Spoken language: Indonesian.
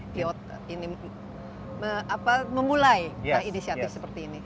piot ini memulai inisiatif seperti ini